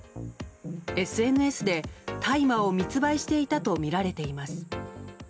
ＳＮＳで大麻を密売していたとみられています。